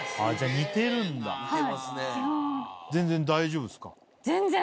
全然大丈夫っすか？